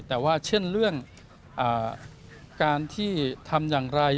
แต่ว่าเช่นเรื่องการที่ทำอย่างไร